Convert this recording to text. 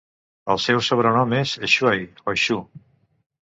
El seu sobrenom és "Schuey" o "Schu".